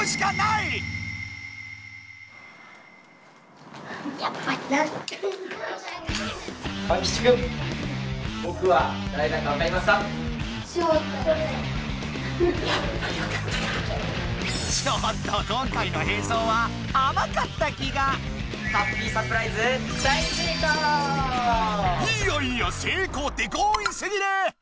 いやいや成功って強引すぎる！